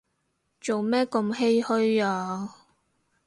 做咩咁唏噓啊